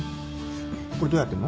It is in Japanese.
これどうやってんの？